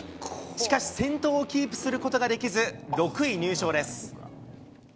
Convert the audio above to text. しかし先頭をキープすることができず、６位入賞です。